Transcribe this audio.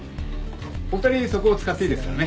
お二人そこ使っていいですからね。